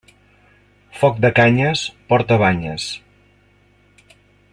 Foc de canyes porta banyes.